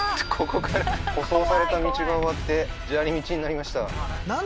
ここから舗装された道が終わって砂利道になりましたな